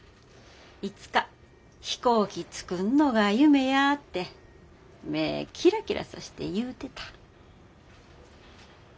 いつか飛行機作んのが夢やて目ぇキラキラさして言うてた。